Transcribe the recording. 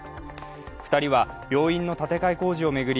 ２人は病院の建てかえ工事を巡り